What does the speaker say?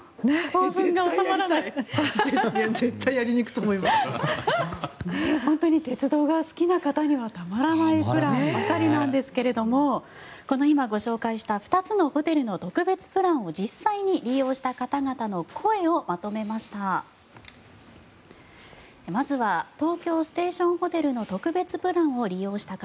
本当に鉄道が好きな方にはたまらないプランばかりなんですけど今ご紹介した２つのホテルの特別プランを実際に利用した方々の声をまとめました。